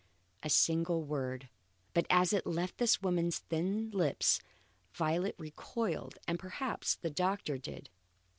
A single word, but as it left this woman's thin lips Violet recoiled, and, perhaps, the doctor did.